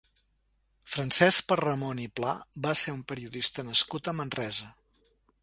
Francesc Perramon i Pla va ser un periodista nascut a Manresa.